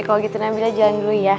kalau gitu nabila jalan dulu ya